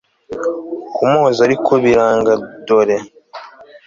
kumuhoza ariko biranga dore